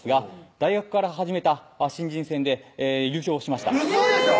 大学から始めた新人戦で優勝しましたウソでしょ